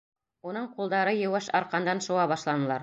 Уның ҡулдары еүеш арҡандан шыуа башланылар.